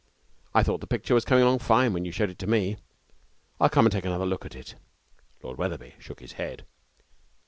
I thought the picture was coming along fine when you showed it to me. I'll come and take another look at it.' Lord Wetherby shook his head.